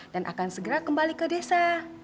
dan akan segera kembali ke desa